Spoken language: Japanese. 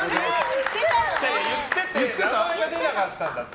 言ってて名前が出なかったんだって。